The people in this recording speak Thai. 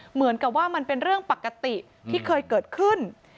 เหมือนกับว่ามันเป็นเรื่องปกติที่เคยเกิดขึ้น